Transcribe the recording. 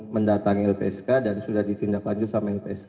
mendatangi lpsk dan sudah ditindak lanjut sama lpsk